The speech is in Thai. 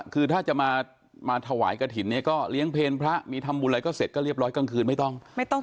คือถ้าจะมาถวายกระถิ่นเนี่ยก็เลี้ยงเพลพระมีทำบุญอะไรก็เสร็จก็เรียบร้อยกลางคืนไม่ต้อง